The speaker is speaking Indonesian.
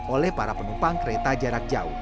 oleh para penumpang kereta jarak jauh